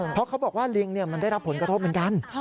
เพราะเขาบอกว่าลิงมันได้รับผลกระทบเหมือนกัน